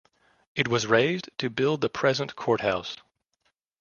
It was razed to build the present courthouse.